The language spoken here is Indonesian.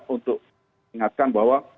untuk mengingatkan bahwa